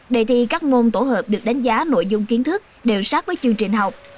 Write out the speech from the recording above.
đề thi các môn tổ hợp được đánh giá nội dung kiến thức đều sát với chương trình học